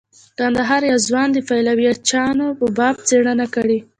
کندهار یوه ځوان د پایلوچانو په باب څیړنه کړې.